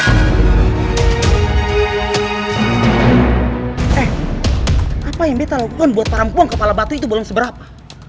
eh apa yang beta lakukan buat para empuang kepala batu itu belum seberapa